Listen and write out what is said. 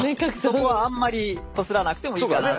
そこはあんまりこすらなくてもいいかなって。